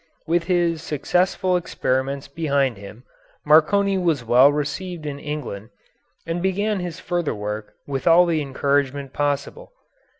With his successful experiments behind him, Marconi was well received in England, and began his further work with all the encouragement possible.